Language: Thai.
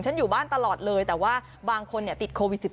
อยู่บ้านตลอดเลยแต่ว่าบางคนติดโควิด๑๙